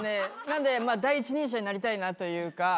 なんで第一人者になりたいなというか。